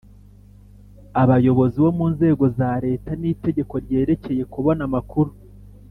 abayobozi bo mu nzego za leta n’itegeko ryerekeye kubona amakuru: